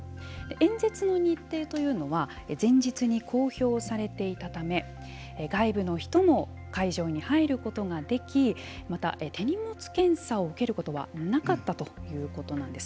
演説の日程というのは前日に公表されていたため外部の人も会場に入ることができまた、手荷物検査を受けることはなかったということなんです。